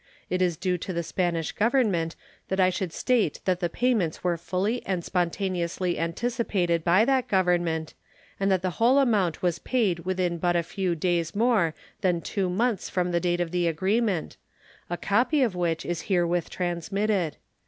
It is due to the Spanish Government that I should state that the payments were fully and spontaneously anticipated by that Government, and that the whole amount was paid within but a few days more than two months from the date of the agreement, a copy of which is herewith transmitted.